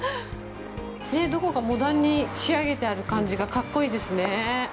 ねぇ、どこかモダンに仕上げてある感じが格好いいですねぇ。